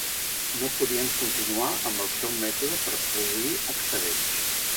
No podien continuar amb el seu mètode per produir excedents.